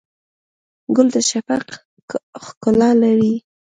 ګل د شفق ښکلا لري.